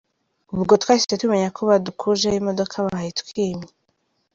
Ubwo twahise tumenya ko badukujeho imodoka bayitwimye.